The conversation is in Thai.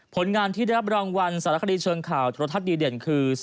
ผลงานที่ได้รับรางวัลสารคดีเชิงข่าวโทรทัศน์ดีเด่นคือ